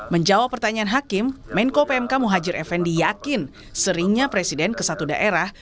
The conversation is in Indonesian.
menjawab pertanyaan hakim menko pmk muhajir effendi yakin seringnya presiden ke satu daerah